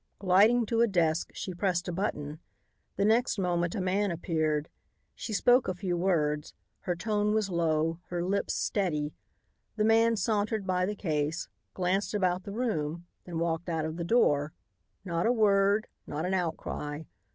Gliding to a desk, she pressed a button. The next moment a man appeared. She spoke a few words. Her tone was low, her lips steady. The man sauntered by the case, glanced about the room, then walked out of the door. Not a word, not an outcry.